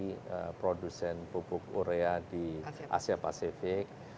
top tiga produsen pupuk urea di asia pasifik